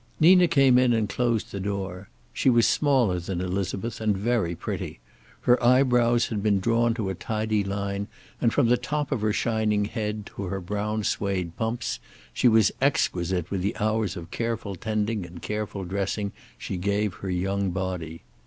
Nina came in and closed the door. She was smaller than Elizabeth and very pretty. Her eyebrows had been drawn to a tidy line, and from the top of her shining head to her brown suede pumps she was exquisite with the hours of careful tending and careful dressing she gave her young body.